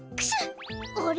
あれ？